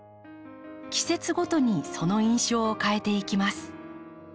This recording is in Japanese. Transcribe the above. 季節ごとにその印象を変えていきます。